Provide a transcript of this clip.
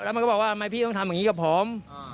มันก็บอกว่าทำไมพี่ต้องทำอย่างนี้กับผม